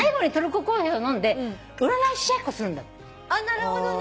なるほどね。